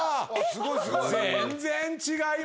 すごーい！